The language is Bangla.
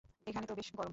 এখানে তো বেশ গরম।